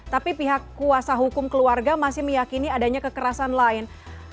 tapi pihak kuasa hukum keluarga masih meyakini adanya kekerasan lain